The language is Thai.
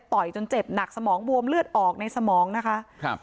จนเจ็บหนักสมองบวมเลือดออกในสมองนะคะครับ